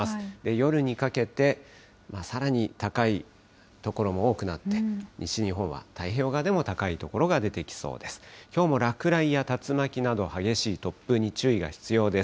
夜にかけて、さらに高い所も多くなって、西日本は太平洋側でも高い所が出てきそうです。